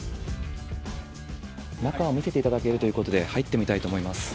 中を見せていただけるということで、入ってみたいと思います。